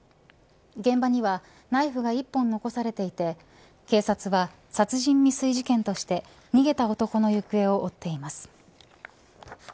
現場にはナイフが１本残されていて警察は殺人未遂事件として逃げた男の行方を追っています。